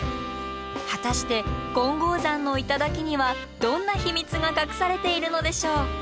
果たして金剛山の頂にはどんな秘密が隠されているのでしょう？